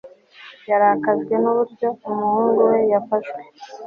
yarakajwe n'uburyo umuhungu we yafashwe